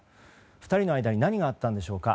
２人の間に何があったのでしょうか。